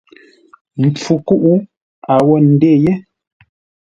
Mpfu kúʼ a wó ndê yé.